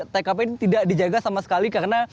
tkp ini tidak dijaga sama sekali karena